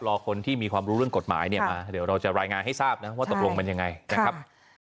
รอคนที่มีความรู้เรื่องกฎหมายเนี่ยมาเดี๋ยวเราจะรายงานให้ทราบนะว่าตกลงมันยังไงนะครับ